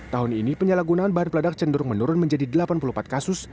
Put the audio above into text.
tahun ini penyalahgunaan bahan peledak cenderung menurun menjadi delapan puluh empat kasus